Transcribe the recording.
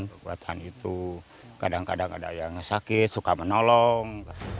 kekuatan itu kadang kadang ada yang sakit suka menolong